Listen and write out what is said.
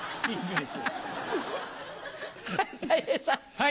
はい。